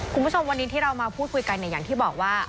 คุณผู้ชมวันนี้ที่เรามาพูดคุยกันเนี่ยอย่างที่บอกว่า